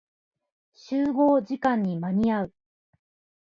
集合時間に間に合う。